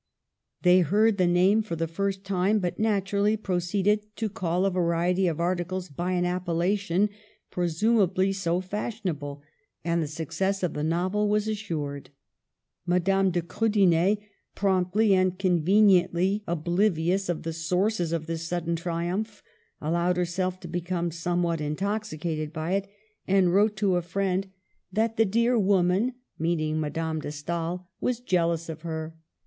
They heard the name for the first time, but naturally proceeded to call a variety of articles by an appellation presumably so fashionable, and the success of the novel was assured. Madame do Kriidener, promptly and conveniently obliv ious of the sources of this sudden triumph, al lowed herself to become somewhat intoxicated by it, and wrote to a friend that the "dear Digitized by VjOOQIC 112 MADAME DE STA£L. woman " (meaning Madame de Stael) was jeal ous of her.